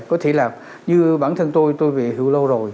có thể là như bản thân tôi tôi nghỉ hưu lâu rồi